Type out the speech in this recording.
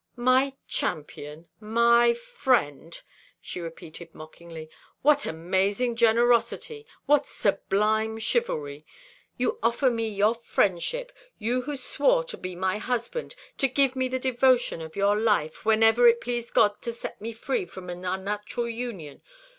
"My champion, my friend!" she repeated mockingly. "What amazing generosity, what sublime chivalry! You offer me your friendship you who swore to be my husband, to give me the devotion of your life, whenever it pleased God to set me free from an unnatural union.